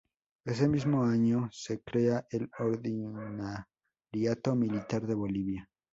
Ese mismo año se crea el ordinariato militar de Bolivia.